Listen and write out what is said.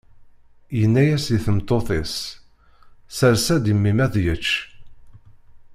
Yenna-as i tmeṭṭut-is: Sers-as-d i mmi-m ad yečč.